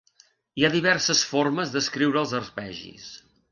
Hi ha diverses formes d'escriure els arpegis.